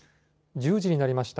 １０時になりました。